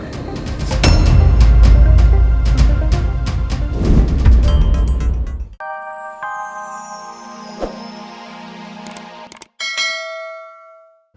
tidak ada yang bisa dihukum